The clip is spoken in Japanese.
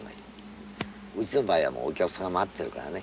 うちの場合はもうお客さんが待ってるからね。